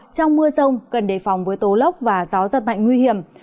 trong mưa rông cần đề phòng với tố lốc và gió giật mạnh nguy hiểm